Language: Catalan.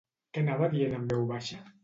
Què anava dient en veu baixa?